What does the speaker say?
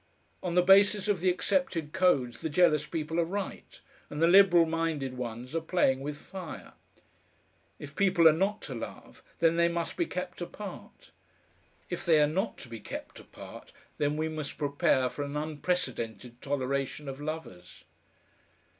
On the basis of the accepted codes the jealous people are right, and the liberal minded ones are playing with fire. If people are not to love, then they must be kept apart. If they are not to be kept apart, then we must prepare for an unprecedented toleration of lovers.